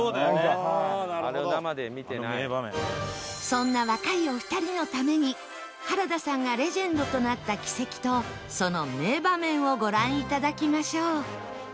そんな若いお二人のために原田さんがレジェンドとなった軌跡とその名場面をご覧いただきましょう